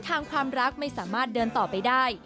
ทางความรักไม่สามารถเดินต่อไปได้